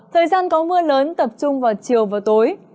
thời gian có mưa lớn tập trung vào chiều và tối